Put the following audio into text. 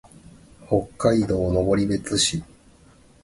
北海道登別市